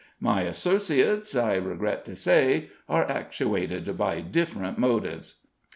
My associates, I regret to say, are actuated by different motives."